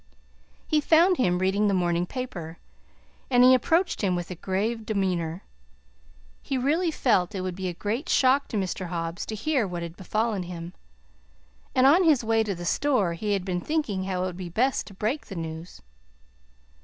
He found him reading the morning paper, and he approached him with a grave demeanor. He really felt it would be a great shock to Mr. Hobbs to hear what had befallen him, and on his way to the store he had been thinking how it would be best to break the news.